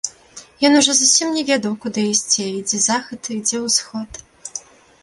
Ён ужо зусім не ведаў, куды ісці, і дзе захад, і дзе ўсход.